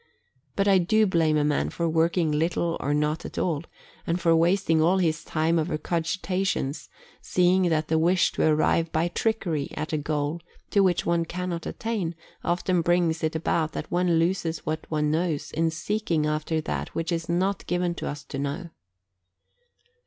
But I do blame a man for working little or not at all, and for wasting all his time over cogitations, seeing that the wish to arrive by trickery at a goal to which one cannot attain, often brings it about that one loses what one knows in seeking after that which it is not given to us to know.